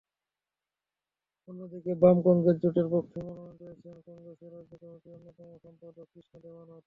অন্যদিকে বাম-কংগ্রেস জোটের পক্ষে মনোনয়ন পেয়েছেন কংগ্রেসেরই রাজ্য কমিটির অন্যতম সম্পাদক কৃষ্ণা দেবনাথ।